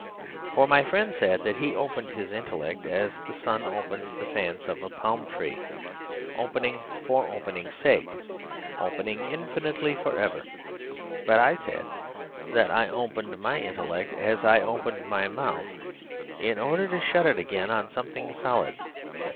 For my friend said that he opened his intellect as the sun opens the fans of a palm tree, opening for opening's sake, opening infinitely for ever. But I said that I opened my intellect as I opened my mouth, in order to shut it again on something solid.